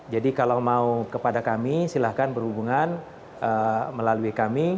jadi kalau mau kepada kami silahkan berhubungan melalui kami